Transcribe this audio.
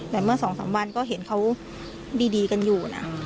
แต่เมื่อ๒๓วันก็เห็นเขาดีกันอยู่นะ